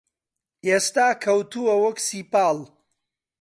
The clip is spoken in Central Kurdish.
ئێستا کەوتووە وەک سیپاڵ